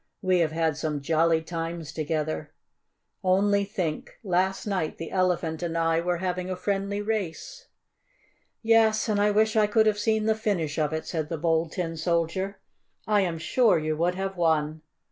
We have had some jolly times together. Only think last night the Elephant and I were having a friendly race!" "Yes, and I wish I could have seen the finish of it," said the Bold Tin Soldier. "I am sure you would have won.